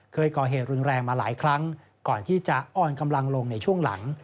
เคยก่อเหตุรุนแรงมาหลายครั้งก่อนที่จะอ้อนกำลังลงในช่วงหลัง